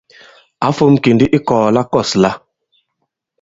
Ǎ fōm kì ndī i ikɔ̀ɔ̀ la kɔ̂s lā.